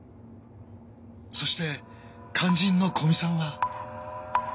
そして肝心の古見さんは。